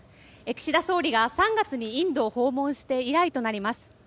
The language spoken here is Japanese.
岸田総理が３月にインドを訪問して以来となります。